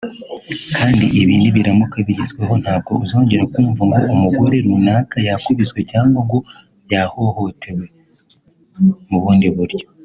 kandi ibi nibiramuka bigezweho ntabwo uzongera kumva ngo umugore runaka yakubiswe cyangwa ngo yahohotewe mu bundi buryo